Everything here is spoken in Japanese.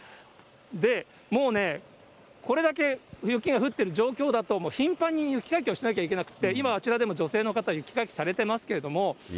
で、もうね、これだけ雪が降ってる状況だと、頻繁に雪かきをしなきゃいけなくて、今、あちらでも女性の方、雪かきされてますけれども。